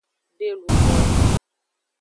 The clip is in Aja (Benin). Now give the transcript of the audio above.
De luvowo.